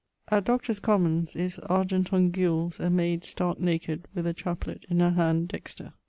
At Doctors Commons is 'argent on gules a mayd stark naked with a chaplet in her hand dexter.'